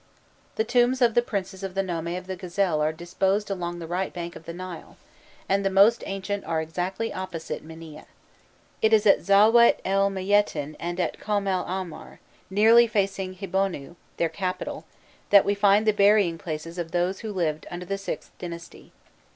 The tombs of the princes of the nome of the Gazelle are disposed along the right bank of the Nile, and the most ancient are exactly opposite Minieh. It is at Zawyet el Meiyetîn and at Kom el Ahmar, nearly facing Hibonu, their capital, that we find the burying places of those who lived under the VIth dynasty.